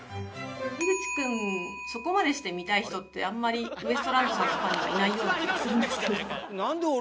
井口君そこまでして見たい人ってあんまりウエストランドさんのファンにはいないような気がするんですけど。